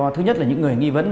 thứ nhất là những người nghi vấn